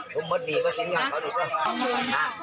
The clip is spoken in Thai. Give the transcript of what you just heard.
๕เป็นอุ้มมดดีกว่าสินะเขาหนูก็